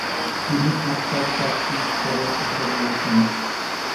তিনি আত্মার চারটি স্তরের কথা বলেছেন।